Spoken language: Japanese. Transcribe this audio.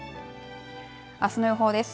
あすの予報です。